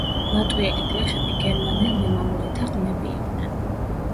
ლატვიელი გლეხები გერმანელ მემამულეთა ყმები იყვნენ.